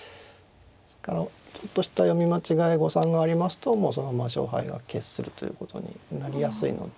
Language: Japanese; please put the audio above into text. ちょっとした読み間違え誤算がありますともうそのまま勝敗が決するということになりやすいので。